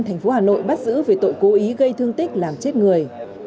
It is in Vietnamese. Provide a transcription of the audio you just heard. thành phố hà nội bắt giữ về tội cố ý gây thương tích làm chết người